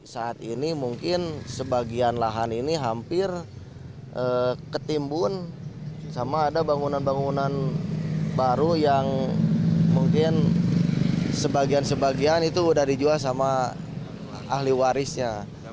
saat ini mungkin sebagian lahan ini hampir ketimbun sama ada bangunan bangunan baru yang mungkin sebagian sebagian itu sudah dijual sama ahli warisnya